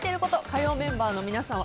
火曜メンバーの皆さん